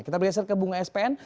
kita bergeser ke bunga spn